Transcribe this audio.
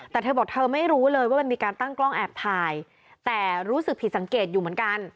แต่เธอบอกเธอไม่รู้เลยว่ามันมีการตั้งกล้องแอบถ่ายแต่รู้สึกผิดสังเกตอยู่เหมือนกัน